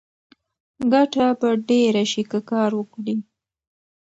ګټه به ډېره شي که کار وکړې.